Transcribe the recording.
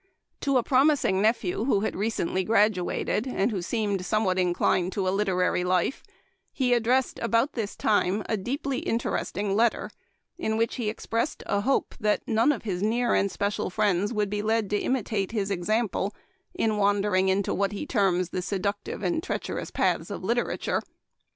To a promising nephew who had recently graduated, and who seemed somewhat inclined to a literary life, he addressed about this time a deeply interesting letter, in which he expressed a hope that none of his near and special friends would be led to imitate his example in wandering into what he terms " the seducive and treacherous paths of litera ture."